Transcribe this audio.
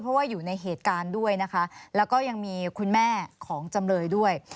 เพราะว่าอยู่ในเหตุการณ์ด้วยนะคะแล้วก็ยังมีคุณแม่ของจำเลยด้วย